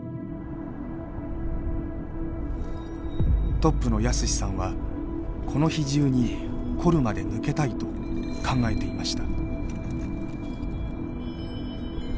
トップの泰史さんはこの日中にコルまで抜けたいと考えていました。